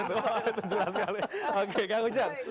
mustahil itu oke itu jelas sekali oke kang ujang